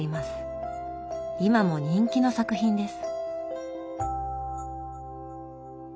今も人気の作品です。